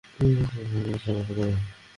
তুমি আমাকে কিছু ক্যাশ টাকা পাঠাতে পারবে?